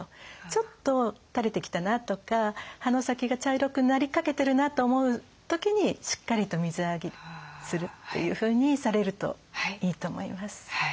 ちょっとたれてきたなとか葉の先が茶色くなりかけてるなと思う時にしっかりと水やりするというふうにされるといいと思います。